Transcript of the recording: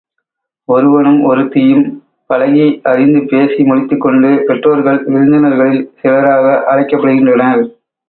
ஒருவனும் ஒருத்தியும் பழகி அறிந்து பேசி முடித்துக்கொண்டு பெற்றோர்கள் விருந்தினர்களில் சிலராக அழைக்கப்படுகின்றனர்.